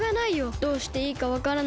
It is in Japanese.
どうしていいかわからないし。